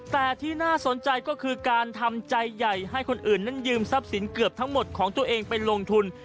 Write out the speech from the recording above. แต่ที่น่าสนใจก็คือการทำใจใหญ่ให้คนอื่นนั้นยืมทรัพย์สินเกือบทั้งหมดของตัวเองไปลงทุน